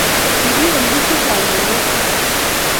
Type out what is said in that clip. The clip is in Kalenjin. kikion biik chechang en kokwet